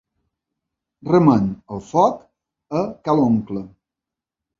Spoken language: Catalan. Remeno el foc a ca l'oncle.